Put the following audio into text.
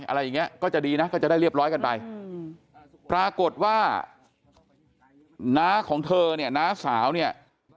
อะไรอย่างนี้ก็จะดีนะก็จะได้เรียบร้อยกันไปปรากฏว่าน้าของเธอเนี่ยน้าสาวเนี่ย